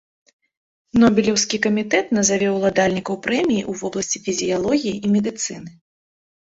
Нобелеўскі камітэт назаве ўладальнікаў прэміі ў вобласці фізіялогіі і медыцыны.